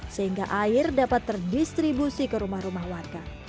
sehingga air dapat terdistribusi ke rumah rumah warga